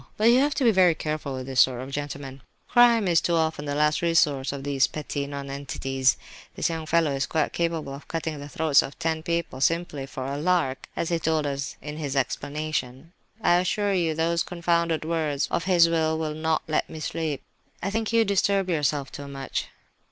But you have to be very careful with this sort of gentleman. Crime is too often the last resource of these petty nonentities. This young fellow is quite capable of cutting the throats of ten people, simply for a lark, as he told us in his 'explanation.' I assure you those confounded words of his will not let me sleep." "I think you disturb yourself too much."